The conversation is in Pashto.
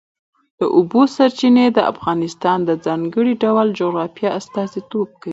د اوبو سرچینې د افغانستان د ځانګړي ډول جغرافیه استازیتوب کوي.